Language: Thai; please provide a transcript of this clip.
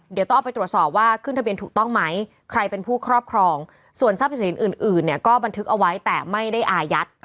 เดี๋ยวต้องเอาไปตรวจสอบว่าขึ้นทะเบียนถูกต้องไหมใครเป็นผู้ครอบครองส่วนทรัพย์สินอื่นเนี่ยก็บันทึกเอาไว้แต่ไม่ได้อายัด